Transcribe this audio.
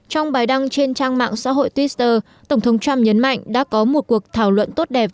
trong bài đăng trên trang mạng xã hội twitter tổng thống trump nhấn mạnh đã có một cuộc thảo luận tốt đẹp